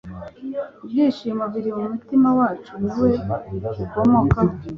ibyishimo biri mu mutima wacu ni we bikomokaho